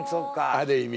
ある意味。